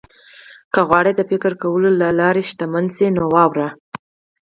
که غواړئ د فکر کولو له لارې شتمن شئ نو واورئ.